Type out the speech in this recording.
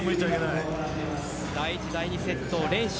第１、第２セット連取。